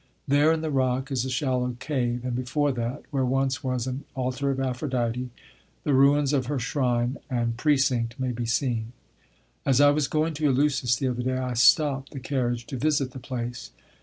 There, in the rock, is a shallow cave, and before that, where once was an altar of Aphrodite, the ruins of her shrine and precinct may be seen. As I was going to Eleusis the other day, I stopped the carriage to visit the place.